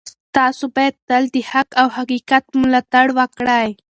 تاسو باید تل د حق او حقیقت ملاتړ وکړئ.